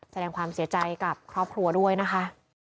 แสดงความเสียใจกับครอบครัวด้วยนะคะ